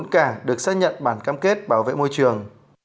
bốn cả được xác nhận bản cam kết bảo vệ môi trường